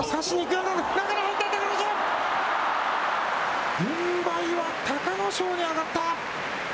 軍配は隆の勝に上がった。